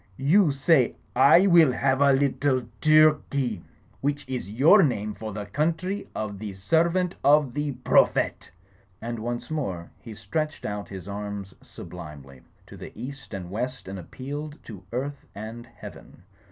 "You say, *I will have a little Turkey,' which is your name for the Country of the Servant of the Prophet !" And once more he stretched out his arms sublimely to the east and west and appealed to earth and heaven.